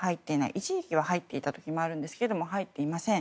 一時期は入っていた時もあるんですが入っていません。